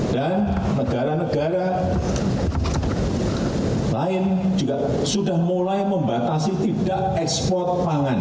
dan negara negara lain juga sudah mulai membatasi tidak ekspor pangan